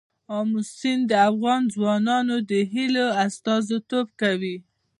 آمو سیند د افغان ځوانانو د هیلو استازیتوب کوي.